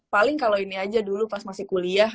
paling kalau ini aja dulu pas masih kuliah